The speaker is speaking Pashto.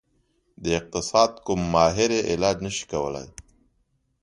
د اقتصاد کوم ماهر یې علاج نشي کولی.